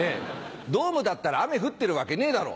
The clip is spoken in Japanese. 「ドームだったら雨降ってるわけねえだろ。